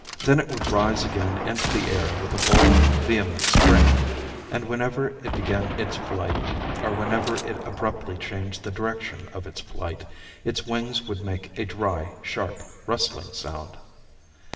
Then it would rise again into the air with a bold, vehement spring; and when ever it began its flight, or whenever it abruptly changed the direction of its flight, its wings would make a dry, sharp, rustling sound.